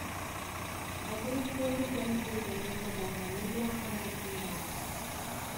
Algunas fuentes la incluyen dentro de la familia Anatidae.